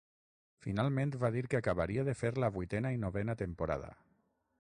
Finalment va dir que acabaria de fer la vuitena i novena temporada.